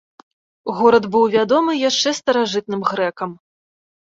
Горад быў вядомы яшчэ старажытным грэкам.